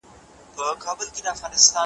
نه تر ښار نه تر بازاره سو څوک تللای `